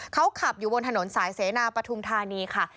เขาขับอยู่บนถนนสายเสนาปฐุมธานีค่ะ